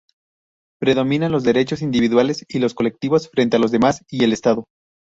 Predominan los derechos individuales y los colectivos frente a los demás y el Estado.